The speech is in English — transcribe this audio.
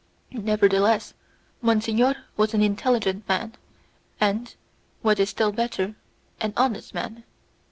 Nevertheless, monsignor was an intelligent man, and, what is still better, an honest man.